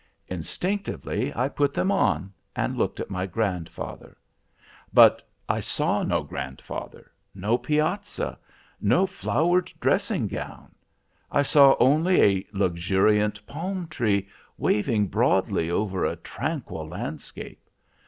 "Instinctively I put them on, and looked at my grandfather. But I saw no grandfather, no piazza, no flowered dressing gown: I saw only a luxuriant palm tree, waving broadly over a tranquil landscape.